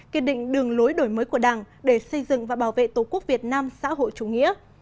kiên định đường lối đổi mới của đảng để xây dựng và bảo vệ tổ quốc việt nam xã hội chủ nghĩa